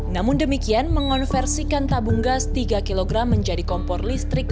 namun demikian mengonversikan tabung gas tiga kg menjadi kompor listrik